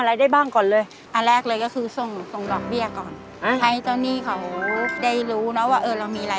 ติดต่องานการแสดงยังรับลิเกย์อยู่ใช่มั้ย